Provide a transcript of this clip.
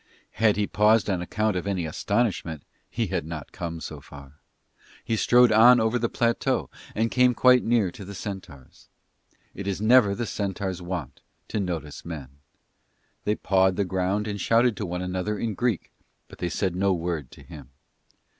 Had he paused on account of any astonishment he had not come so far: he strode on over the plateau, and came quite near to the centaurs. It is never the centaurs' wont to notice men; they pawed the ground and shouted to one another in Greek, but they said no word to him.